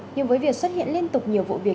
nhưng với việc xuất hiện liên tục nhiều vụ việc